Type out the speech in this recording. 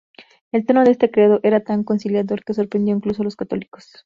El tono de este credo era tan conciliador que sorprendió incluso a los católicos.